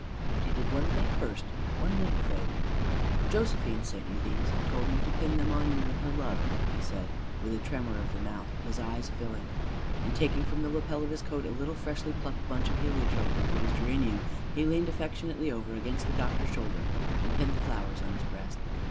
But he did one thing first one little thing: "Josephine sent you these, and told me to pin them on you, with her love," he said with a tremor of the mouth, his eyes filling; and taking from the lapel of his coat a little freshly plucked bunch of heliotrope and rose geranium, he leaned affectionately over against the doctor's shoulder and pinned the flowers on his breast.